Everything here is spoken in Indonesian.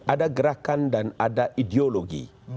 ada gerakan dan ada ideologi